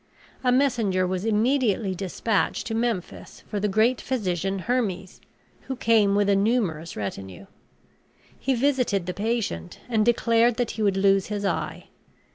A messenger was immediately dispatched to Memphis for the great physician Hermes, who came with a numerous retinue. He visited the patient and declared that he would lose his eye.